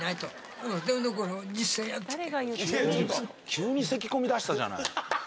急にせきこみ出したじゃない。